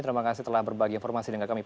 terima kasih telah berbagi informasi dengan kami